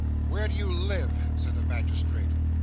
'Where do you live?' said the magistrate.